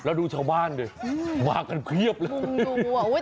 แล้วดูชาวบ้านดิมากันเพียบเลย